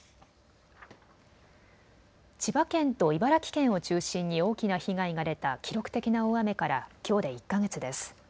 千葉県と茨城県を中心に大きな被害が出た記録的な大雨からきょうで１か月です。